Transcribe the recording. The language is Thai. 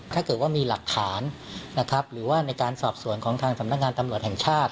ถ้าเกิดว่ามีหลักฐานนะครับหรือว่าในการสอบสวนของทางสำนักงานตำรวจแห่งชาติ